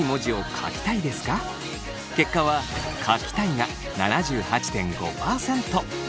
結果は書きたいが７８．５％。